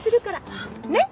ねっ？